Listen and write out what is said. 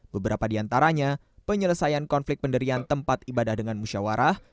beberapa diantaranya penyelesaian konflik penderian tempat ibadah dengan musyawarah